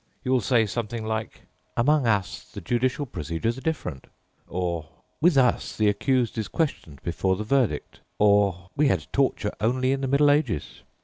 You will say something like, 'Among us the judicial procedures are different,' or 'With us the accused is questioned before the verdict,' or 'We had torture only in the Middle Ages.